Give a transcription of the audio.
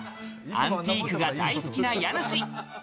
アンティークが大好きな家主。